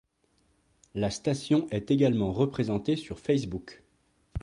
La station est également représentée sur Facebook.